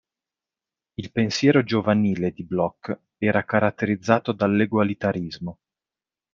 Il pensiero giovanile di Block era caratterizzato dall'egualitarismo.